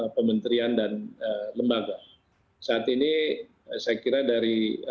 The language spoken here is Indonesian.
kementerian dan lembaga saat ini saya kira dari